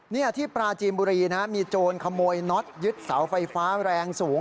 นี่ที่ปราจีนบุรีนะมีโจรขโมยน็อตยึดเสาไฟฟ้าแรงสูง